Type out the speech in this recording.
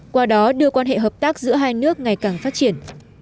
qua đó đưa quan hệ hợp tác giữa hai nước ngày càng phát triển